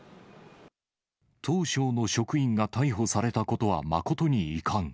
当省の職員が逮捕されたことは誠に遺憾。